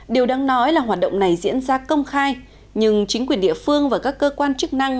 điều đáng nói là hoạt động này diễn ra công khai nhưng chính quyền địa phương và các cơ quan chức năng